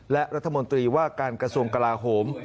และรัฐมนตรีว่าการกระทรวงกลาโหม